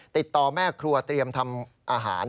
ติดต่อแม่ครัวเตรียมทำอาหาร